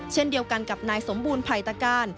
เช่นเดียวกันกับนายสมบูรณไผ่ตะการ